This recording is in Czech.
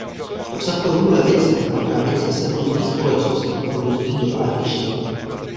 Obsah pojmů "levice" a "pravice" se v různých společnostech a v různých dobách lišil.